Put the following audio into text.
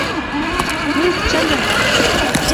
ملک چل رہا ہے۔